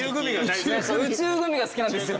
宇宙グミが好きなんですよ。